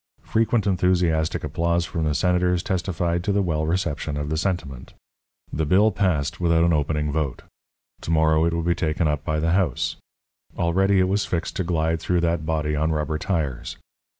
Frequent enthusiastic applause from the Senators testified to the well reception of the sentiment. The bill passed without an opening vote. To morrow it would be taken up by the House. Already was it fixed to glide through that body on rubber tires.